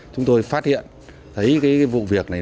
chúng tôi phát hiện thấy vụ việc này